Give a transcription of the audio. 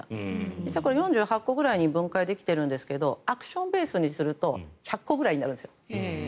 実はこれ、４８個くらいに分化できているんですがアクションベースにすると１００個ぐらいになるんですよ。